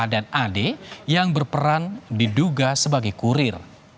dan adik yang berperan diduga sebagai kurir